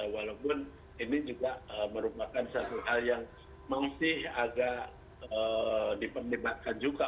walaupun ini juga merupakan satu hal yang masih agak diperdebatkan juga